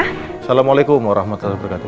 assalamualaikum warahmatullahi wabarakatuh